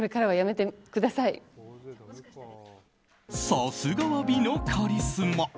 さすがは美のカリスマ。